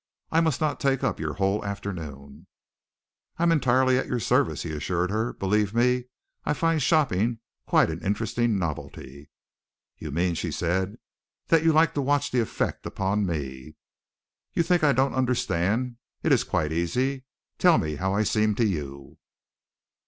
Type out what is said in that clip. I must not take up your whole afternoon." "I am entirely at your service," he assured her. "Believe me, I find shopping quite an interesting novelty." "You mean," she said, "that you like to watch the effect upon me. You think I don't understand. It is quite easy. Tell me how I seem to you?"